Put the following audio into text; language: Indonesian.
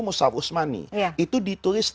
mus'ab usmani itu ditulis